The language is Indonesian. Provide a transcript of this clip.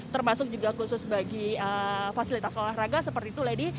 termasuk juga khusus bagi fasilitas olahraga seperti itu lady